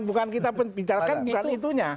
bukan kita bicarakan bukan itunya